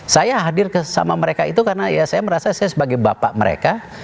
saya hadir sama mereka itu karena ya saya merasa saya sebagai bapak mereka